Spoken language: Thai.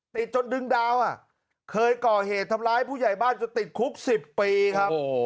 ติดจนดึงดาวเคยก่อเหตุทำร้ายผู้ใหญ่บ้านจนติดคุก๑๐ปีครับ